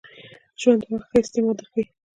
ژوند د وخت ښه استعمال در ښایي .